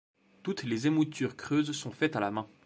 Toutes les émoutures creuses sont faites à la main.